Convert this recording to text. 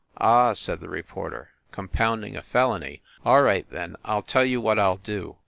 "Ah," said the reporter, "compounding a felony? All right, then, I ll tell you what I ll do.